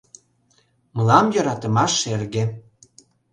Мылам йӧратымаш шерге.